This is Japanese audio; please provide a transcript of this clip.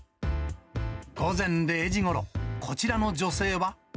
午前０時ごろ、こちらの女性は。